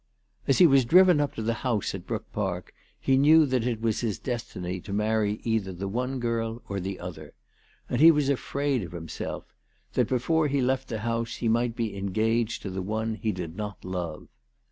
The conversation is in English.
As he was driven up to the house at Brook Park he knew that it was his destiny to marry either the one girl or the other ; and he was afraid of himself, that before he left the house he might be engaged to the one he did not love.